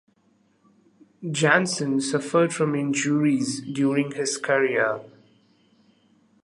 Janssen suffered from injuries during his career.